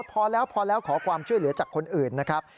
พอแล้วพอแล้วขอความช่วยเหลือจากคนอื่นนะครับ